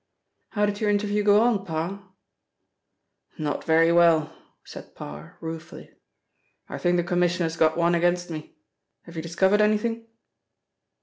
"How did your interview go on, Parr?" "Not very well," said Parr, ruefully. "I think the Commissioner's got one against me. Have you discovered anything?"